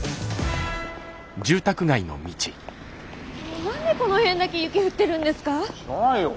もう何でこの辺だけ雪降ってるんですか？